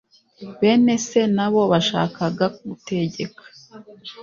bene se na bo bashakaga gutegeka